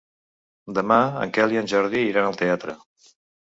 Demà en Quel i en Jordi iran al teatre.